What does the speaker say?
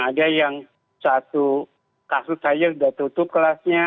ada yang satu kasus saja sudah tutup kelasnya